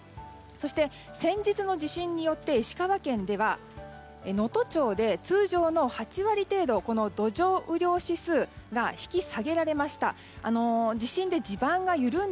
そして、先日の地震によって石川県では能登町で通常の８割程度土壌雨量指数が引き下げられました。